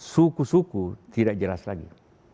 suku suku tidak jelas lagi